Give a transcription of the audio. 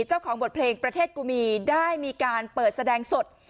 เจ้าของบทเพลงประเทศกุมีได้มีการเปิดแสดงสด